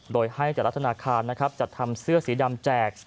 โดยให้แต่ละธนาคารจัดทำเสื้อสีดำแจก